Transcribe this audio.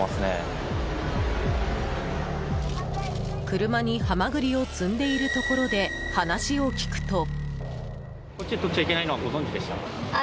車にハマグリを積んでいるところで話を聞くと。